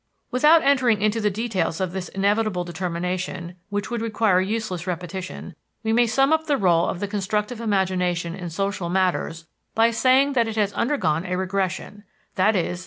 Without entering into the details of this inevitable determination, which would require useless repetition, we may sum up the rôle of the constructive imagination in social matters by saying that it has undergone a regression i.e.